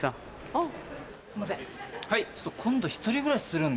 あっ。